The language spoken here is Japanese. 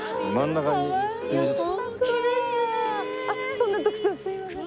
そんな徳さんすいません。